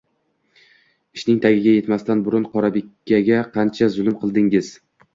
– Ishning tagiga yetmasdan burun, Qorabekaga qancha zulm qildingiz